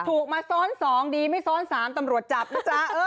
ถูกมาซ้อน๒ดีไม่ซ้อน๓ตำรวจจับนะจ๊ะ